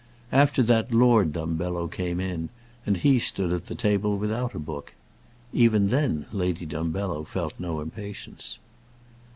After that Lord Dumbello came in, and he stood at the table without a book. Even then Lady Dumbello felt no impatience.